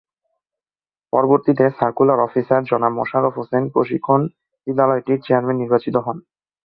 পরবর্তীতে circular officer জনাব মোশারফ হোসেন প্রশিক্ষণ বিদ্যালয়টির চেয়ারম্যান নির্বাচিত হন।